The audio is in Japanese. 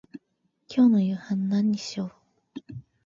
今日の夕飯何にしよう。